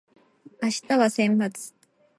明日は先発